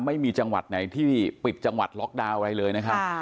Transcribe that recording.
ไม่มีจังหวัดไหนที่ปิดจังหวัดล็อกดาวน์อะไรเลยนะครับ